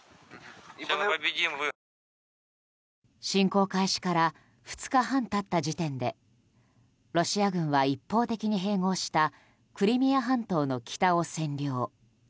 侵攻開始から２日半経った時点でロシア軍は一方的に併合したクリミア半島の北を占領。